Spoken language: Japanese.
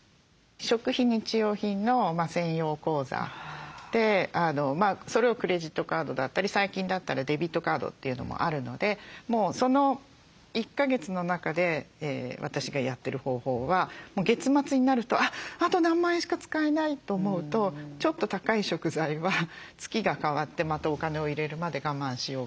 食費日用品の専用口座でそれをクレジットカードだったり最近だったらデビットカードというのもあるので１か月の中で私がやってる方法は月末になると「あと何万円しか使えない」と思うとちょっと高い食材は月が替わってまたお金を入れるまで我慢しようかなとか。